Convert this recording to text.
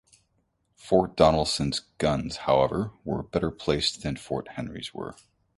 Fort Donelson's guns, however, were better placed than Fort Henry's were.